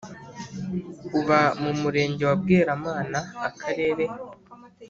uba mu Murenge wa Bweramana Akarere